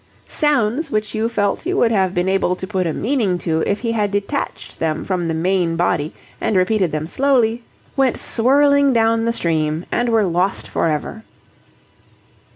Sounds which you felt you would have been able to put a meaning to if he had detached them from the main body and repeated them slowly, went swirling down the stream and were lost for ever.